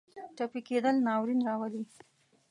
ټپي کېدل ناورین راولي.